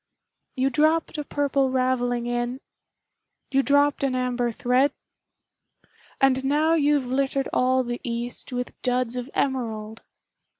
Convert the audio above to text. You dropped a Purple Ravelling in You dropped an Amber thread And now you've littered all the east With Duds of Emerald!